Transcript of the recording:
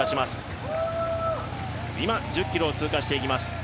今、１０ｋｍを通過していきます。